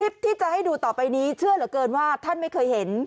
คลิปที่จะให้ดูต่อไปนี้เชื่อเหลือเกินว่าท่านไม่เคยเห็น